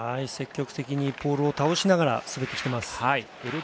積極的にポールを倒しながら滑ってきています。